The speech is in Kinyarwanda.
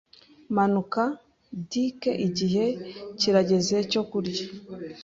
Manuka, Dick. Igihe kirageze cyo kurya.